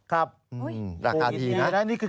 ครับราคาดีนะ